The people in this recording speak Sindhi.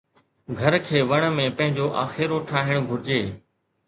گهر کي وڻ ۾ پنهنجو آکيرو ٺاهڻ گهرجي